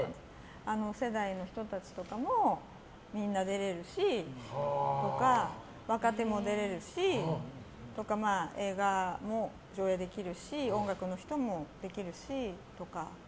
あの世代の人たちとかもみんな出れるしとか若手も出れるしとか映画も上映できるし音楽の人もできるしとか。